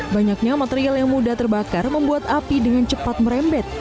banyaknya material yang mudah terbakar membuat api dengan cepat merembet